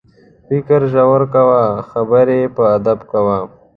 فکر ژور کوه، خبرې په ادب کوه.